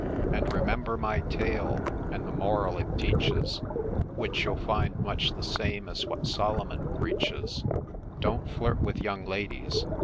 And remember my tale, and the moral it teaches, Which you'll find much the same as what Solomon preaches: Don't flirt with young ladies